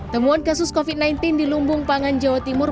temuan kasus covid sembilan belas di lumbung pangan jawa timur